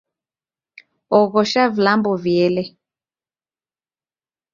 Oghosha vilambo viele